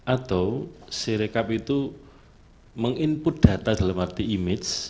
atau syrakab itu menginput data dalam arti image